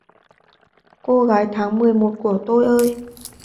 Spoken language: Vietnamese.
Cô gái tháng mười một của tôi ơi!